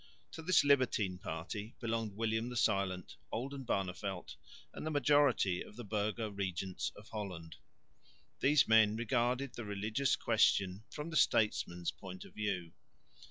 To this Libertine party belonged William the Silent, Oldenbarneveldt and the majority of the burgher regents of Holland. These men regarded the religious question from the statesman's point of view.